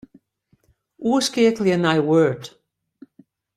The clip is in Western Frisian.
Oerskeakelje nei Word.